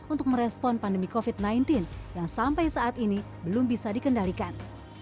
untuk merespon pandemi covid sembilan belas yang sampai saat ini belum bisa dikendalikan